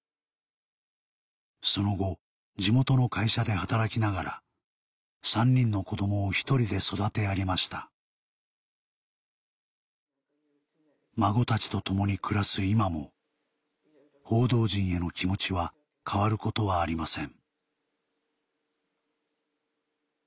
その後地元の会社で働きながら３人の子供を一人で育て上げました孫たちと共に暮らす今も報道陣への気持ちは変わることはありません